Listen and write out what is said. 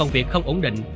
làm việc không ổn định